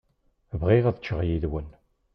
Bɣiɣ ad ččeɣ yid-wen.